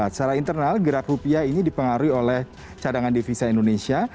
secara internal gerak rupiah ini dipengaruhi oleh cadangan devisa indonesia